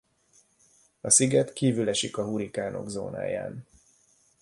A sziget kívül esik a hurrikánok zónáján.